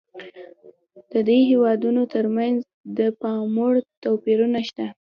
د دې هېوادونو ترمنځ د پاموړ توپیرونه شته.